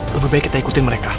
lebih baik kita ikutin mereka